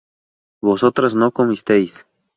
vosotras no comisteis